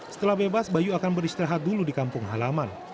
setelah bebas bayu akan beristirahat dulu di kampung halaman